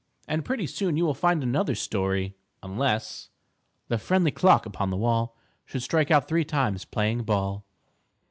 And pretty soon you will find another story unless _The friendly clock upon the wall Should strike out three times playing ball.